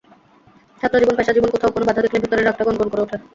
ছাত্রজীবন, পেশাজীবন কোথাও কোনো বাধা দেখলেই ভেতরের রাগটা গনগন করে ওঠে।